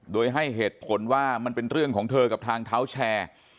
โดยให้เหตุผลว่ามันเป็นเรื่องของเธอกับทางเท้าแชร์